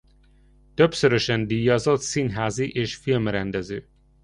Többszörösen díjazott színházi és filmrendező.